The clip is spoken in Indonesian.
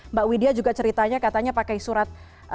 mbak widya juga ceritanya katanya pakai surat